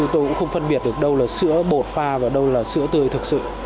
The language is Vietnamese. tôi cũng không phân biệt được đâu là sữa bột pha và đâu là sữa tươi thực sự